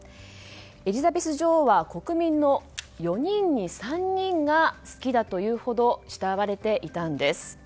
エリザベス女王は国民の４人に３人が好きだというほど慕われていたんです。